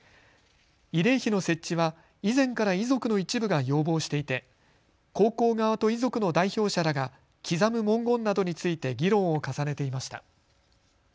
慰霊碑の設置は以前から遺族の一部が要望していて高校側と遺族の代表者らが刻む文言などについて議論を重ねていました。